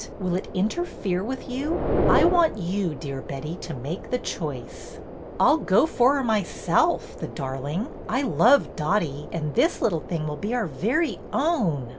Will it interfere with you? I want you, dear Betty, to make the choice." I 'll go for her myself, the darling. I love Dotty, and this little thing will be our very own."